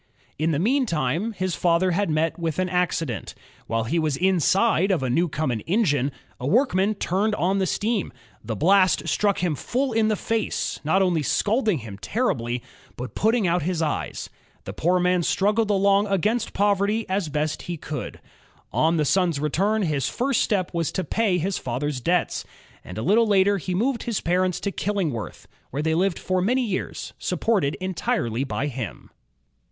In the meantime his father had met with an accident. While he was inside of a Newcomen engine, a workman turned on the steam. The blast struck him full in the face, not only scalding him terribly, but putting out his eyes. The poor man struggled along against poverty as GEORGE STEPHENSON 55 best he could. On the son's return, his first step was to pay his father's debts, and a little later he moved his parents to Killingworth, where they lived for many years, supported entirely by him.